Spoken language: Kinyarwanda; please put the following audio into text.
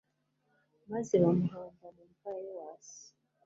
maze bamuhamba mu mva ya yowasi